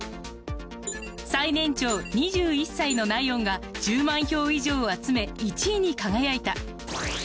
最年長２１歳のナヨンが１０万票以上を集め１位に輝いた。